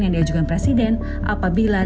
yang diajukan presiden apabila